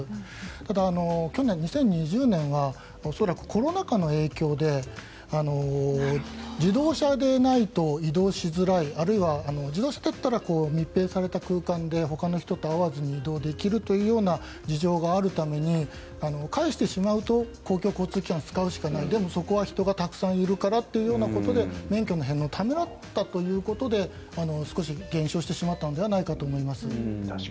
ただ、去年、２０２０年は恐らくコロナ禍の影響で自動車でないと移動しづらいあるいは自動車だったら密閉された空間でほかの人と会わずに移動できるというような事情があるために返してしまうと公共交通機関を使うしかないでもそこは人がたくさんいるからということで免許の返納をためらったということで少し減少してしまったのではないかと思います。